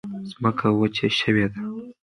ځمکه وچه شوې ده.